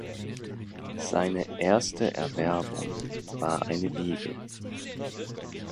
Seine „erste Erwerbung“ war eine Wiege.